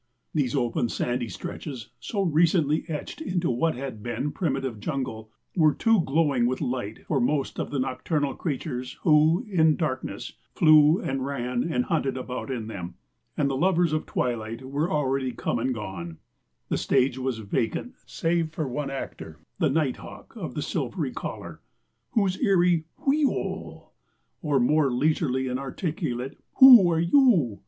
These open sandy stretches, so recently etched into what had been primitive jungle, were too glowing with light for most of the nocturnal creatures who, in darkness, flew and ran and hunted about in them. And the lovers of twilight were already come and gone. The stage was vacant save for one actor the nighthawk of the silvery collar, whose eerie wheeeo! or more leisurely and articulate _who are you?